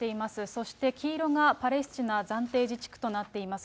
そして黄色がパレスチナ暫定自治区となっています。